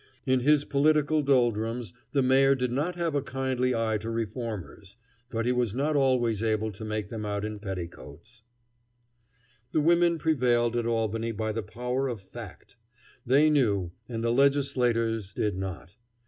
In his political doldrums the Mayor did not have a kindly eye to reformers; but he was not always able to make them out in petticoats. [Illustration: The School of the New Day.] The women prevailed at Albany by the power of fact. They knew, and the legislators did not.